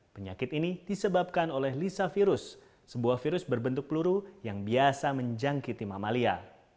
penyakit ini disebabkan oleh lisa virus sebuah virus berbentuk peluru yang biasa menjangkiti mamalia